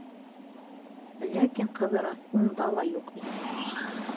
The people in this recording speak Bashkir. Ләкин Ҡыҙырас унда ла юҡ ине!